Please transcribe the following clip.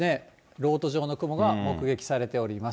漏斗状の雲が目撃されております。